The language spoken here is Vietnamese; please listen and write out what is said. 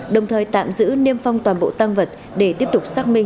đồng thời tạm giữ niêm phong toàn bộ tăng vật để tiếp tục xác minh